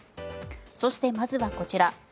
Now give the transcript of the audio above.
そして、まずはこちら。